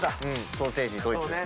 ソーセージでドイツ。